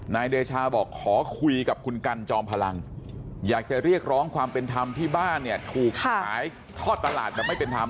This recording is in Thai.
นายเดชาบอกขอคุยกับคุณกันจอมพลังอยากจะเรียกร้องความเป็นธรรมที่บ้านเนี่ยถูกขายทอดตลาดแบบไม่เป็นธรรม